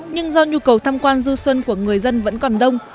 nhưng do nhu cầu tham quan du xuân của người dân vẫn còn đông